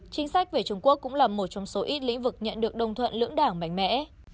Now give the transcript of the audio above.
chính sách về trung quốc cũng là một trong số ít lĩnh vực nhận được đồng thuận lưỡng đảng mạnh mẽ